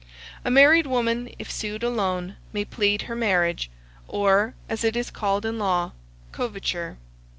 A married woman, if sued alone, may plead her marriage, or, as it is called in law, coverture.